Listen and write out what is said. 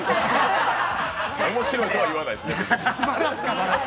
面白いとは言わないですね。